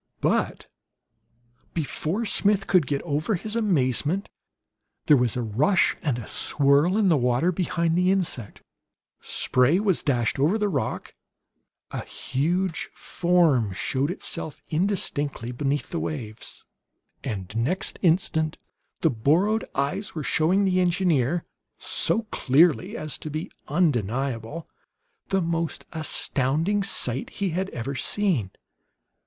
But before Smith could get over his amazement there was a rush and a swirl in the water behind the insect. Spray was dashed over the rock, a huge form showed itself indistinctly beneath the waves, and next instant the borrowed eyes were showing the engineer, so clearly as to be undeniable, the most astounding sight he had ever seen.